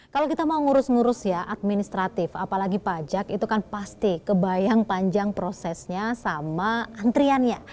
kalau kita mau ngurus ngurus ya administratif apalagi pajak itu kan pasti kebayang panjang prosesnya sama antriannya